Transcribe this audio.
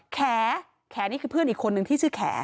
แขนี่คือเพื่อนอีกคนนึงที่ชื่อแข